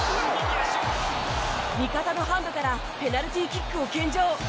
味方のハンドからペナルティーキックを献上。